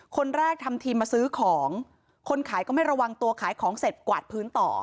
คนแรกทำทีมาซื้อของคนขายก็ไม่ระวังตัวขายของเสร็จกวาดพื้นต่อ